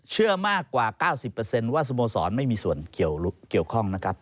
เชื่อมากกว่า๙๐ว่าสโมสรไม่มีส่วนเกี่ยวข้องนะครับ